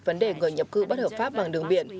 vấn đề người nhập cư bất hợp pháp bằng đường biển